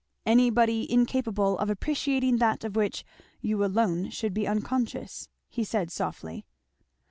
"Anybody incapable of appreciating that of which you alone should be unconscious," he said softly.